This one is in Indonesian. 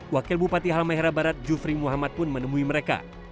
wakil bupati halmahera barat jufri muhammad pun menemui mereka